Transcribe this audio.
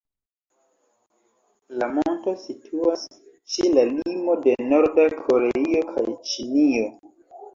La monto situas ĉe la limo de Norda Koreio kaj Ĉinio.